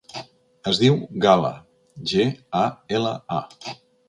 Es diu Gala: ge, a, ela, a.